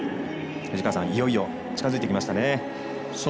いよいよ近づいてきましたね。